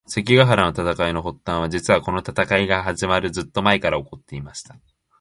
関ヶ原の戦いの発端は、実はこの戦いが始まるずっと前から起こっていました。